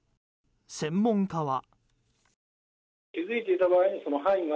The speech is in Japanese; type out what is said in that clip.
専門家は。